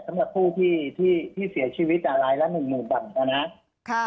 สำหรับผู้ที่ที่ที่เสียชีวิตอ่ะรายละหนึ่งหมื่นบาทนะค่ะ